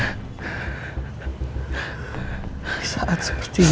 yo kinnya akan pengulang ke peninan